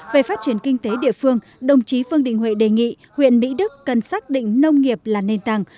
về phát triển kinh tế địa phương đồng chí vương đình huệ đề nghị huyện mỹ đức cần xác định nông nghiệp là nền tảng